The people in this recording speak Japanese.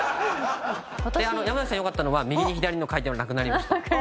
山崎さんよかったのは右に左にの回転はなくなりました。